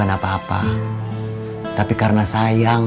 ada sesuatu yang kenal bishop